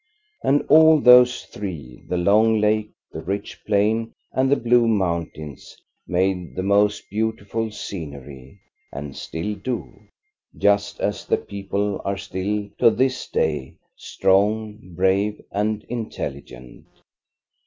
And all those three, the long lake, the rich plain, and the blue mountains, made the most beautiful scenery, and still do, just as the people are still to this day, strong, brave and intelligent.